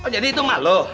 jadi itu emak lo